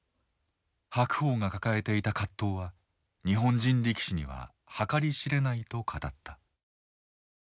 白鵬が抱えていた葛藤は日本人力士には計り知れないと語った。